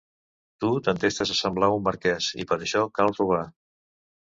Tu t'entestes a semblar un marquès, i per a això cal robar.